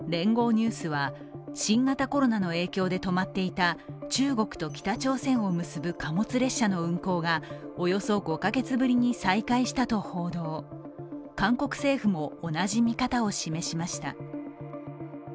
ニュースは新型コロナの影響で止まっていた中国と北朝鮮を結ぶ貨物列車の運行がおよそ５か月ぶりに再開したと報道韓国政府も同じ見方を示しました。